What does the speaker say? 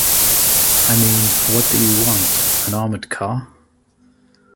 I mean, what do you want, an armoured car?